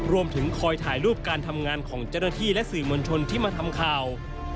รวมถึงคอยถ่ายรูปการทำงานของเจ้าหน้าที่และสื่อมวลชนที่มาทำข่าว